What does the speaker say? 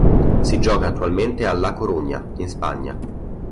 Si gioca annualmente a La Coruña in Spagna.